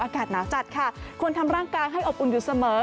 อากาศหนาวจัดค่ะควรทำร่างกายให้อบอุ่นอยู่เสมอ